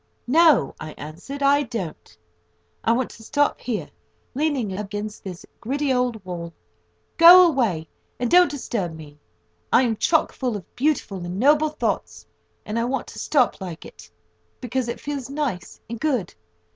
"No," I answered, "I don't. I want to stop here, leaning up against this gritty old wall. Go away, and don't disturb me. I am chock full of beautiful and noble thoughts, and I want to stop like it, because it feels nice and good.